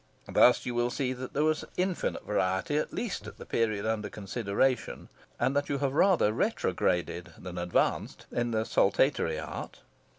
Thus you will see that there was infinite variety at least at the period under consideration, and that you have rather retrograded than advanced in the saltatory art.